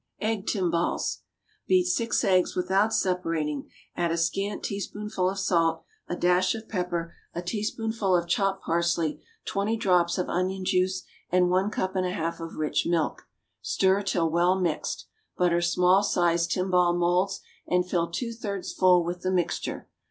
=Egg Timbales.= Beat six eggs without separating, add a scant teaspoonful of salt, a dash of pepper, a teaspoonful of chopped parsley, twenty drops of onion juice and one cup and a half of rich milk. Stir till well mixed. Butter small sized timbale moulds and fill two thirds full with the mixture.